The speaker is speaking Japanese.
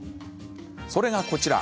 それが、こちら。